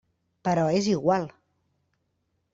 Però és igual.